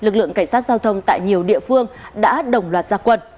những cảnh sát giao thông tại nhiều địa phương đã đồng loạt gia quân